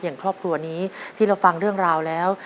อย่างครอบครัวนี้ที่เราฟังเรื่องราวแล้ว